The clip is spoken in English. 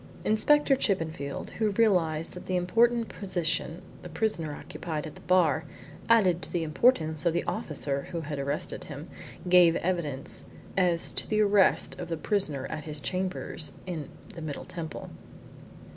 Inspector Chippenfield, who realised that the important position the prisoner occupied at the bar added to the importance of the officer who had arrested him, gave evidence as to the arrest of the prisoner at his chambers in the Middle Temple.